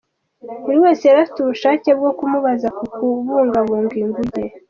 Buri wese yari afite ubushake bwo kumubaza ku kubungabunga inguge.